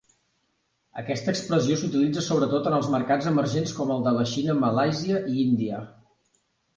Aquesta expressió s'utilitza sobretot en els mercats emergents com el de la Xina, Malàisia i Índia.